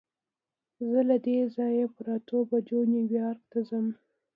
زه له دې ځایه پر اتو بجو نیویارک ته ځم.